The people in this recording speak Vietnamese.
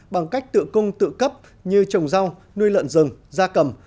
bằng cách tự cung tự cấp như trồng rau nuôi lợn rừng da cầm